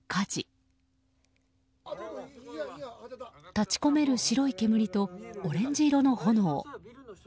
立ち込める白い煙とオレンジ色の炎。